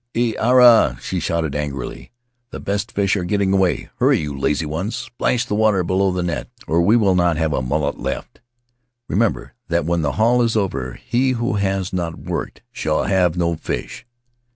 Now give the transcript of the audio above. "E ara!" she shouted, angrily; "the best fish are getting away! Hurry, you lazy ones — splash the water below the net, or we shall not have a mullet left ! Remember that when the haul is over he who has not worked shall have no fish."